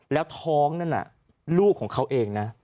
แล้วท้องนั่นน่ะลูกของเขาเองนะ